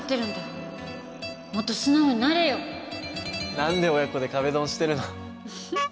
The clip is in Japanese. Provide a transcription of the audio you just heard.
何で親子で壁ドンしてるの？